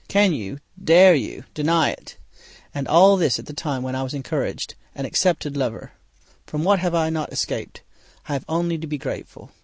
Can you, dare you deny it? and all this at the time when I was an encouraged, an accepted lover! From what have I not escaped! I have only to be grateful.